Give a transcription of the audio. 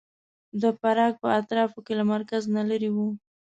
د پراګ په اطرافو کې له مرکز نه لرې و.